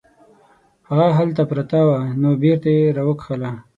هغه هلته پرته وه نو بیرته یې راوکښله.